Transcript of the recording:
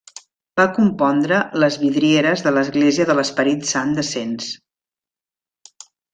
Va compondre les vidrieres de l'església de l'Esperit Sant de Cents.